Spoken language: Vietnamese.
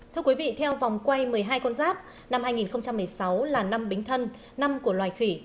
thưa quý vị theo vòng quay một mươi hai con giáp năm hai nghìn một mươi sáu là năm bính thân năm của loài khỉ